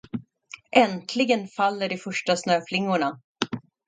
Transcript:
Äntligen faller de första snöflingorna.